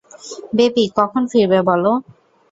Baby, কখন ফিরবে বলো।